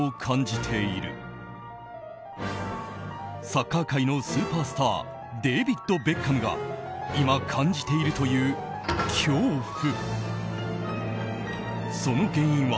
サッカー界のスーパースターデビッド・ベッカムが今感じているという恐怖。